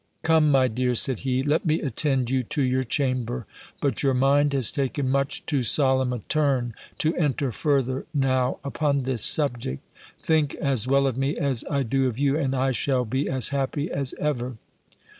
"Come, my dear," said he, "let me attend you to your chamber. But your mind has taken much too solemn a turn, to enter further now upon this subject. Think as well of me as I do of you, and I shall be as happy as ever."